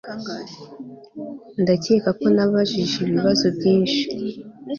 Ndakeka ko nabajije ibibazo byinshi